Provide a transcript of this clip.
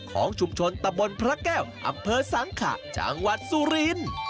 ของชุมชนตะบนพระแก้วอำเภอสังขะจังหวัดสุรินทร์